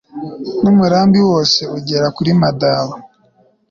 n'umurambi wose ugera kuri madaba